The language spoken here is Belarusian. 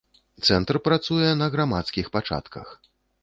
Цэнтр працуе на грамадскіх пачатках.